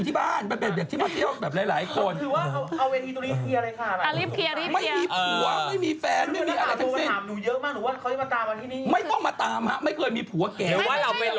พี่เยอะเลยเขาออกว่าอู้ลูกเขาแบบว่าเสียสกสกสี่มาเป็นผัวก็เธอย